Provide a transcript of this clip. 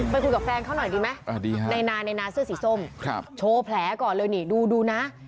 คุยกับแฟนเขาหน่อยดีไหมในนาเสื้อสีส้มโชว์แผลก่อนเลยนี่ดูนะ